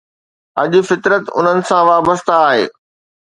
اڄ فطرت انهن سان وابسته آهي.